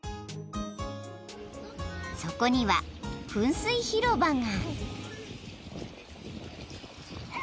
［そこには噴水広場が］